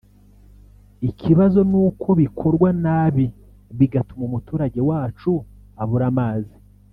ikibazo ni uko bikorwa nabi bigatuma umuturage wacu abura amazi